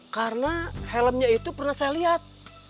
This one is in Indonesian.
karena helmnya itu pernah saya lihat